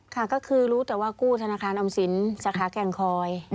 ค่ะก็คือรู้แต่ว่ากู้ธนาคารออมสินสาขาแก่งคอย